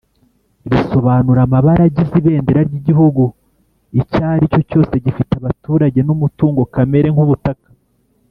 risobanura amabara agize Ibendera ry Igihugu icyari cyo cyose gifite abaturage numutungo kamere nk’ ubutaka